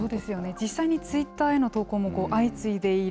実際にツイッターへの投稿も相次いでいる。